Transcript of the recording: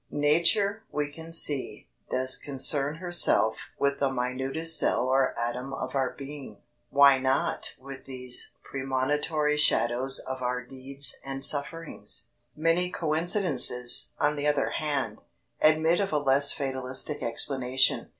Nature, we can see, does concern herself with the minutest cell or atom of our being; why not with these premonitory shadows of our deeds and sufferings? Many coincidences, on the other hand, admit of a less fatalistic explanation.